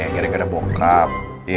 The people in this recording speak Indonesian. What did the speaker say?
gara gara bokap